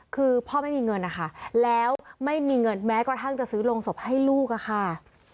คือพ่อไม่มีเงินนะคะแล้วไม่มีเงินแม้กระทั่งจะซื้อโรงศพให้ลูกอะค่ะ